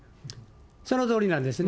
そのとおりなんですね。